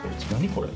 これ。